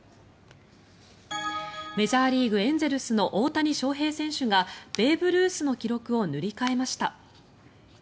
メジャーリーグ、エンゼルスの大谷翔平選手がベーブ・ルースの記録を塗り替えました。